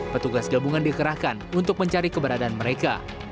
petugas gabungan dikerahkan untuk mencari keberadaan mereka